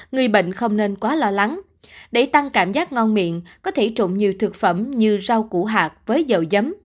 người bệnh không nên quá lo lắng để tăng cảm giác ngon miệng có thể trộn nhiều thực phẩm như rau củ hạt với dầu giấm